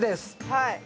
はい。